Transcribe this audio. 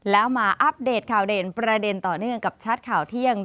แล้วมาอัปเดตข่าวเด่นประเด็นต่อเนื่องกับชัดข่าวเที่ยง